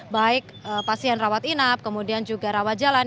baik pasien rawat inap kemudian juga rawat jalan